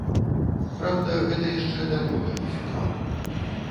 Праўда, гэта яшчэ далёка не фінал.